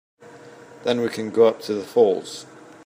Then we can go up to the falls.